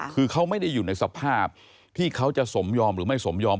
คือเขาไม่ได้อยู่ในสภาพที่เขาจะสมยอมหรือไม่สมยอม